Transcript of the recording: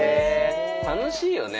楽しいよね。